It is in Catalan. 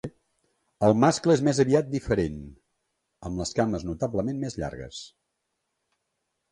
El mascle és més aviat diferents, amb les cames notablement més llargues.